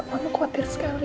aku kuatir sekali